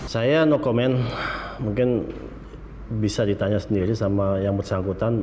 saya no comment mungkin bisa ditanya sendiri sama yang bersangkutan